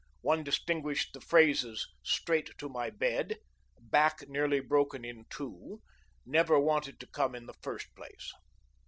One distinguished the phrases "straight to my bed," "back nearly broken in two," "never wanted to come in the first place."